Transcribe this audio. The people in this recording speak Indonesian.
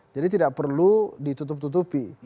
jadi tidak perlu ditutup tutupi